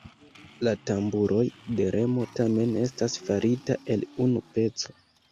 La tamburoj de Remo tamen estas farita el unu peco.